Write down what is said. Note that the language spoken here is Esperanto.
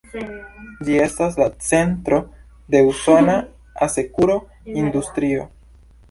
Ĝi estas la centro de usona asekuro-industrio.